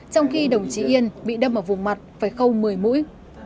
trong khi đồng chí yên bị đâm ở vùng mặt phải khâu một mươi mũi